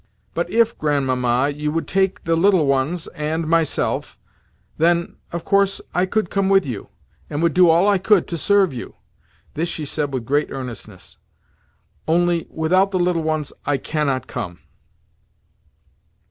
But if, Grandmamma, you would take the little ones and myself, then, of course, I could come with you, and would do all I could to serve you" (this she said with great earnestness). "Only, without the little ones I cannot come."